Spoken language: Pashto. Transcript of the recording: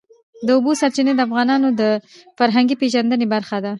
د اوبو سرچینې د افغانانو د فرهنګي پیژندنې برخه ده.